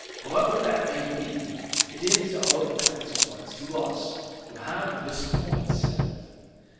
However that may be, it is of consequence to us to have this point settled."